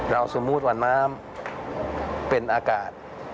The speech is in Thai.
สมมุติว่าน้ำเป็นอากาศ